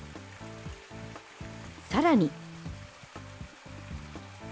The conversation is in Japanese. さらに。